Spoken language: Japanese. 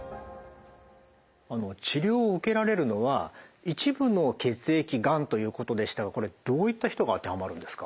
治療を受けられるのは一部の血液がんということでしたがこれどういった人が当てはまるんですか？